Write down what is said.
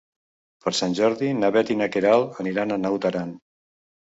Per Sant Jordi na Bet i na Queralt aniran a Naut Aran.